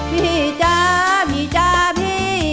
พี่จ๊ะพี่จ๊ะพี่